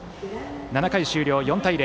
７回終了、４対０。